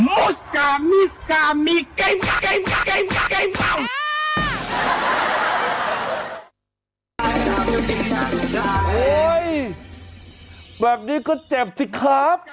โอ้ยแบบนี้ก็เจ็บจริงครับ